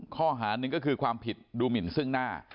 ข้อหาหนึ่งก็คือความผิดดูหมินซึ่งหน้า